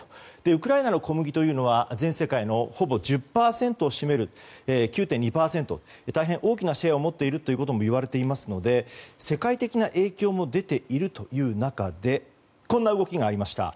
ウクライナの小麦は全世界のほぼ１０％を占める９．２％で大変大きなシェアを持っているといわれていますので世界的な影響も出ているという中でこんな動きがありました。